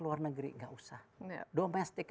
luar negeri enggak usah domestik